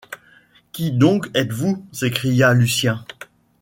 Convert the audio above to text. Qui donc êtes-vous? s’écria Lucien.